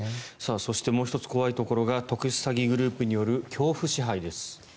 そしてもう１つ怖いところが特殊詐欺グループによる恐怖支配です。